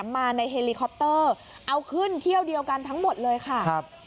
มาในเฮลิคอปเตอร์เอาขึ้นเที่ยวเดียวกันทั้งหมดเลยค่ะ